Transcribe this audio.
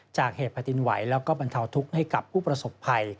จากเหตุแผ่นดินไหวแล้วก็บรรเทาทุกข์ให้กับผู้ประสบภัย